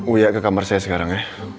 uya ke kamar saya sekarang ya